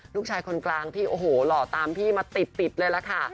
ลูกชายคนกลางที่โอ้โหหล่อตามพี่มาติดเลยล่ะค่ะ